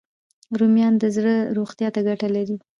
رومیان د زړه روغتیا ته ګټه لري